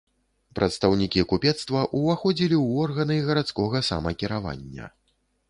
Прадстаўнікі купецтва ўваходзілі ў органы гарадскога самакіравання.